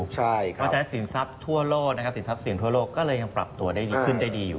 เพราะฉะนั้นสินทรัพย์ทั่วโลกก็เลยยังปรับตัวได้ขึ้นได้ดีอยู่